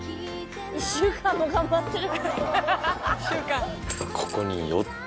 １週間も頑張ってる」